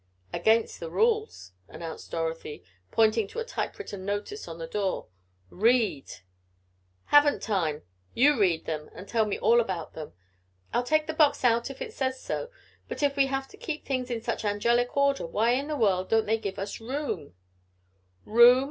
"Against the rules," announced Dorothy, pointing to a typewritten notice on the door. "Read!" "Haven't time. You read them and tell me about them. I'll take the box out if it says so, but if we have to keep things in such angelic order why in the world don't they give us room?" "Room?